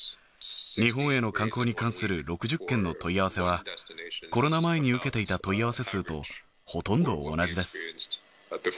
日本への観光に関する６０件の問い合わせは、コロナ前に受けていた問い合わせ数とほとんど同じです。